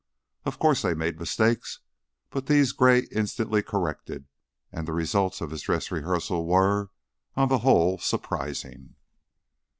Of course they made mistakes, but these Gray instantly corrected, and the results of his dress rehearsal were, on the whole, surprising.